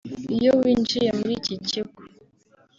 Iyo winjiye muri iki kigo